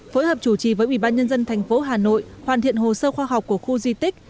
phối hợp chủ trì với ubnd tp hà nội hoàn thiện hồ sơ khoa học của khu di tích